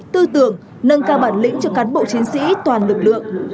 tư tưởng nâng cao bản lĩnh cho cán bộ chiến sĩ toàn lực lượng